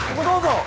どうぞ。